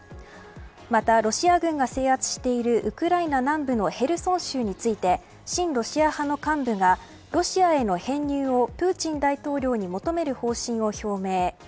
また、ロシア軍が制圧しているウクライナ南部のヘルソン州について親ロシア派の幹部がロシアへの編入をプーチン大統領に求める方針を表明。